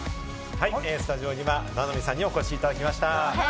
スタジオには菜波さんにお越しいただきました。